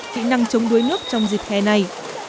kỹ năng chống đuối nước trong dịp hè này